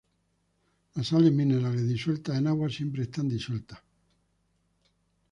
Las sales minerales disueltas en agua siempre están disueltas.